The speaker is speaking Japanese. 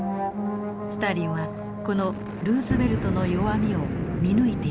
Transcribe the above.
スターリンはこのルーズベルトの弱みを見抜いていたのです。